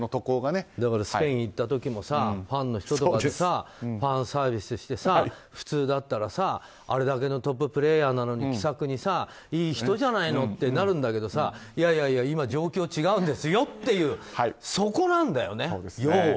スペイン行った時もさファンの人とかにファンサービスしてさ普通だったら、あれだけのトッププレーヤーなのに気さくに、いい人じゃないのってなるんだけどいやいや、今、状況違うんですよっていうそこなんだよね。